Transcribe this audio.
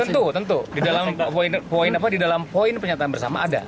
tentu tentu di dalam poin pernyataan bersama ada